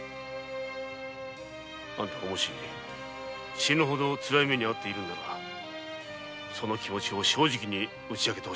あんたがもし死ぬほどつらい目にあっているのならその気持ちを正直に打ち明けてほしいのだ。